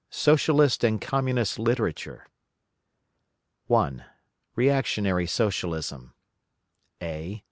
SOCIALIST AND COMMUNIST LITERATURE 1. REACTIONARY SOCIALISM _A.